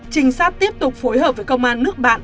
trinh sát tiếp tục phối hợp với công an nước bạn